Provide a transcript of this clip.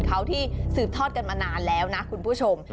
เขาที่สืบทอดกันมานานแล้วนะคุณผู้ชม